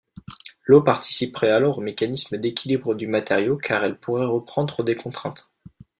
L'eau participerait alors au mécanisme d'équilibre du matériau car elle pourrait reprendre des contraintes.